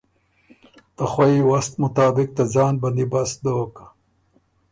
ته خوئ وست مطابق ته ځان بندیبست دوک۔